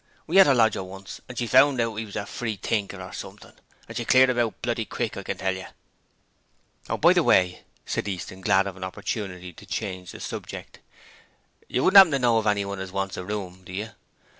We 'ad a lodger once and she found out that 'e was a freethinker or something, and she cleared 'im out, bloody quick, I can tell yer!' 'Oh, by the way,' said Easton, glad of an opportunity to change the subject, 'you don't happen to know of anyone as wants a room, do you?